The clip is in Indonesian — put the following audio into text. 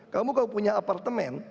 kamu kalau punya apartemen